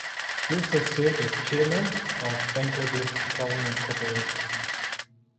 He also served as Chairman of Bangladesh Petroleum Corporation.